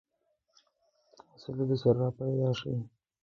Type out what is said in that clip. تاسې له ده سره راپیدا شئ.